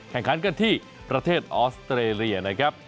แข่งขันกันที่ประเทศออสเตรเลียนะครับ